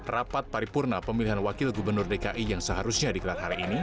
rapat paripurna pemilihan wakil gubernur dki yang seharusnya dikelar hari ini